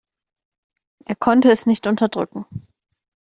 Er konnte es nicht unterdrücken.